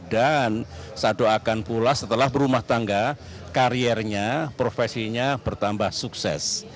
dan saya doakan pula setelah berumah tangga kariernya profesinya bertambah sukses